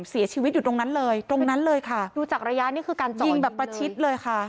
เสียชีวิตอยู่ตรงนั้นเลยตรงนั้นเลยค่ะดูจากระยะนี้คือการยิงแบบประชิดเลยค่ะ